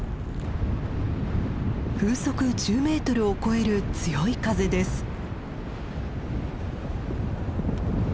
風速１０メートルを超える強い風です。